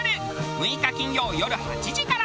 ６日金曜よる８時から。